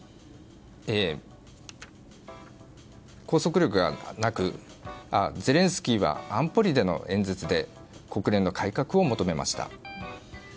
拘束力がなくゼレンスキーは安保理での演説で国連の改革を求めました。